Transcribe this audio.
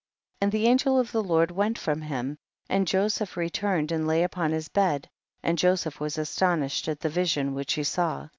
15. And the angel of the Lord went from him, and Joseph returned and lay upon his bed, and Joseph was astonished at the vision which he saw.